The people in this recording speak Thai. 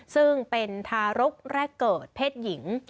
ซึ่งเป็นทารกแรกเกิดเพศหญิง